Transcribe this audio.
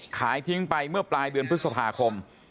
ขายทิ้งไปเมื่อปลายเดือนพฤษภาคม